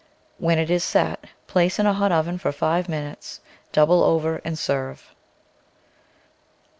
When it is set, place in a hot oven for five minutes, double over, and serve.